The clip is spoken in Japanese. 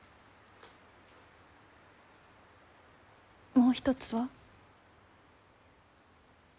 もう一つは？